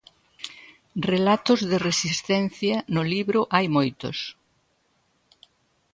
Relatos de resistencia no libro hai moitos.